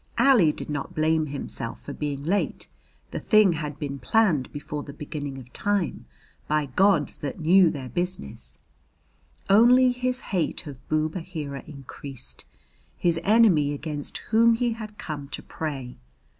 Ali did not blame himself for being late, the thing had been planned before the beginning of time, by gods that knew their business; only his hate of Boob Aheera increased, his enemy against whom he had come to pray.